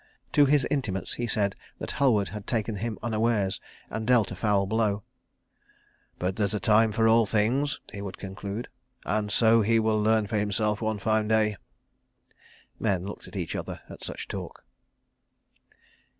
To his intimates he said that Halward had taken him unawares and dealt a foul blow. "But there's a time for all things," he would conclude; "and so he will learn for himself one fine day." Men looked at each other at such talk.